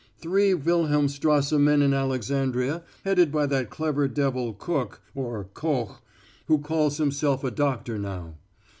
Three Wilhelmstrasse men in Alexandria, headed by that clever devil Cook, or Koch, who calls himself a doctor now.